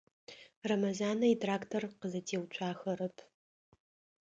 Рэмэзанэ итрактор къызэтеуцуахэрэп.